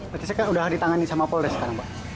berarti saya sudah ditangani sama polres sekarang pak